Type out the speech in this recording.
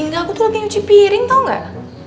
gak aku tuh lagi nyuci piring tau gak